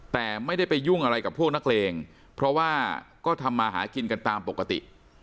แต่ไม่ได้ไปยุ่งอะไรกับพวกนักเลงเพราะว่าก็ทำมาหากินกันตามปกติ